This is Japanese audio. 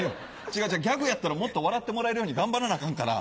違う違うギャグやったらもっと笑ってもらえるように頑張らなアカンから。